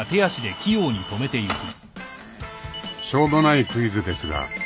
［しょうもないクイズですが］